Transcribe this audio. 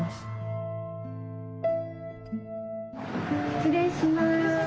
失礼します。